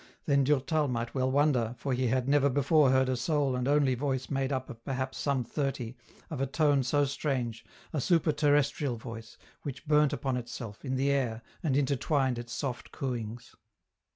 Then Durtal might well wonder, for he had never before heard a sole and only voice made up of perhaps some thirty, of a tone so strange, a superterrestrial voice, which burnt upon itself, in the air, and intertwined its soft cooings.